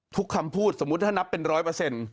คำพูดสมมุติถ้านับเป็นร้อยเปอร์เซ็นต์